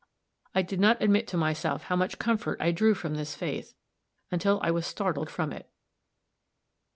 I did not admit to myself how much comfort I drew from this faith, until I was startled from it.